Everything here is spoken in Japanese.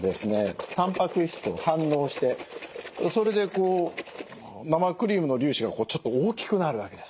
タンパク質と反応してそれでこう生クリームの粒子がちょっと大きくなるわけです。